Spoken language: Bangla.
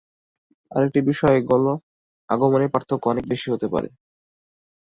আরেকটি বিষয় গল, আগমনের পার্থক্য অনেক বেশি হতে পারে।